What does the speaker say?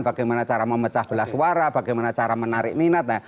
bagaimana cara memecah belah suara bagaimana cara menarik minat